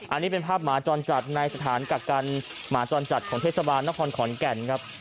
อันนี้เป็นภาพหมาจรจัดในสถานกักกันหมาจรจัดของเทศบาลนครขอนแก่นครับ